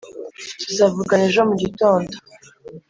Tuzavugana ejo mu gitondo.